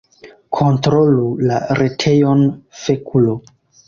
Kontrolu la retejon, fekulo